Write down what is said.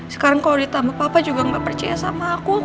sekarang kalau ditambah papa juga nggak percaya sama aku